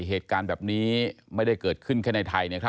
เหตุการณ์แบบนี้ไม่ได้เกิดขึ้นแค่ในไทย